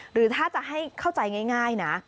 หรือถ้าจะให้เข้าใจง่ายนะ